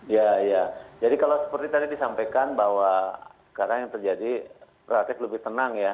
ya jadi kalau seperti tadi disampaikan bahwa sekarang yang terjadi relatif lebih tenang ya